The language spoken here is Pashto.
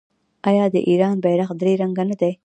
آیا د ایران بیرغ درې رنګه نه دی؟